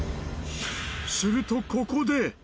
するとここで。